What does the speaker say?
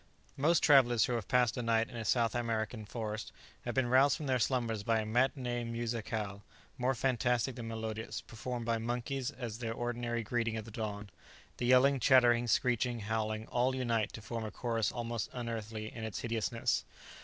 Most travellers who have passed a night in a South American forest have been roused from their slumbers by a matinée musicale more fantastic than melodious, performed by monkeys, as their ordinary greeting of the dawn. The yelling, chattering, screeching, howling, all unite to form a chorus almost unearthly in its hideousness.